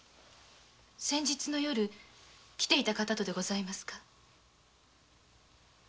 先日の夜来ていた方とでございますか？